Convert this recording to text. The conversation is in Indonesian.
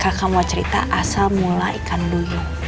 kakak mau cerita asal mula ikan duyung